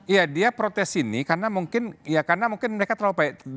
iya dia protes ini karena mungkin ya karena mungkin mereka terlalu baik